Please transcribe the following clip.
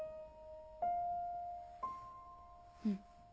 うん。